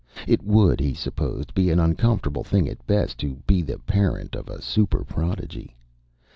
It would, he supposed, be an uncomfortable thing at best to be the parent of a super prodigy.